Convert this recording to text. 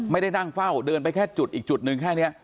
ไม่ได้นั่งเฝ้าเดินไปแค่จุดอีกจุดหนึ่งแค่นี้